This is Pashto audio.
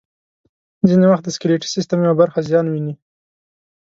ځینې وخت د سکلیټي سیستم یوه برخه زیان ویني.